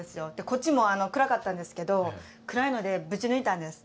こっちも暗かったんですけど暗いのでぶち抜いたんです。